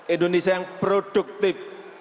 indonesia yang produktif